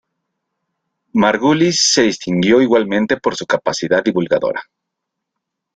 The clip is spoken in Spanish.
Margulis se distinguió igualmente por su capacidad divulgadora.